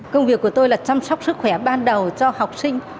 công việc của tôi là chăm sóc sức khỏe ban đầu cho học sinh